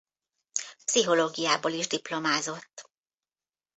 Pszichológiából is diplomázott.